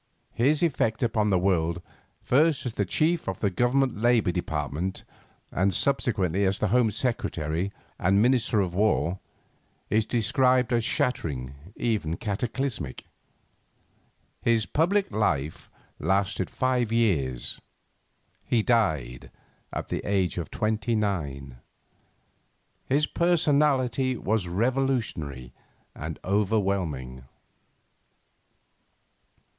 His effect upon the world, first as Chief of the Government Labour Department and subsequently as Home Secretary, and Minister of War, is described as shattering, even cataclysmic. His public life lasted five years. He died at the age of twenty nine. His personality was revolutionary and overwhelming.